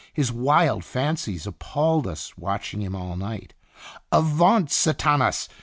His wild fancies appalled us watching him all night. "Avaunt Sathanas!